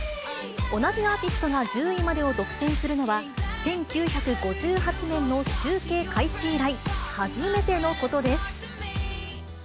同じアーティストが１０位までを独占するのは、１９５８年の集計開始以来、初めてのことです。